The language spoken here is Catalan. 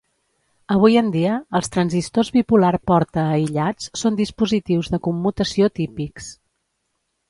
Avui en dia, els transistors bipolar porta aïllats són dispositius de commutació típics.